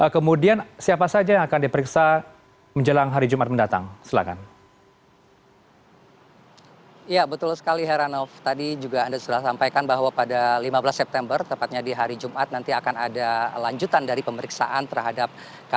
kemudian siapa saja yang akan diperiksa menjelang hari jumat mendatang